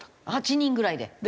８人ぐらいで？